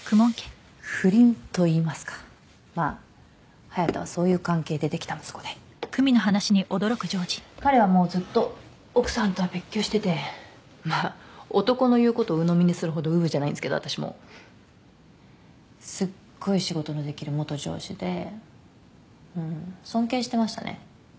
不倫といいますかまあ隼太はそういう関係でできた息子で彼はもうずっと奥さんとは別居しててまあ男の言うことをうのみにするほどうぶじゃないんですけど私もすっごい仕事のできる元上司でうん尊敬してましたね